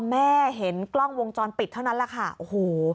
แม่เห็นกล้องวงจรปิดเท่านั้นแหละค่ะโอ้โห